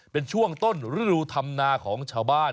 เป็นช่วงต้นฤดูธรรมนาของชาวบ้าน